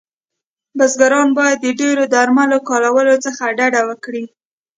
بزګران باید د ډیرو درملو کارولو څخه ډډه وکړی